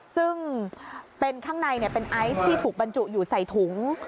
ซึ่งเป็นข้างในเป็นไอซ์ที่ถูกบรรจุอยู่ใส่ถุง